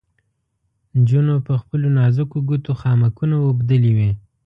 نجونو په خپلو نازکو ګوتو خامکونه اوبدلې وې.